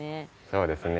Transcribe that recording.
そうですね。